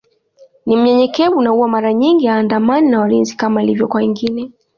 Ni mnyenyekevu na huwa mara nyingi haandamani na walinzi kama ilivyo kwa wengine